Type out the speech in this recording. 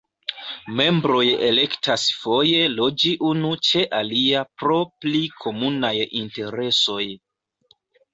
Membroj elektas foje loĝi unu ĉe alia pro pli komunaj interesoj.